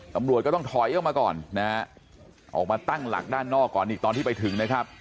ตำรวจก็ต้องถอยออกมาก่อนนะฮะออกมาตั้งหลักด้านนอกก่อนอีกตอนที่ไปถึงนะครับ